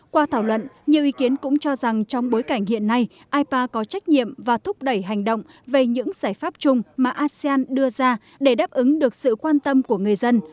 qua thảo luận nhiều ý kiến cũng cho rằng trong bối cảnh hiện nay ipa có trách nhiệm và thúc đẩy hành động về những giải pháp chung mà asean đưa ra để đáp ứng được sự quan tâm của người dân